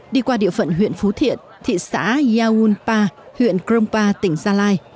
đi qua địa phận huyện phú thiện thị xã yaunpa huyện krongpa tỉnh gia lai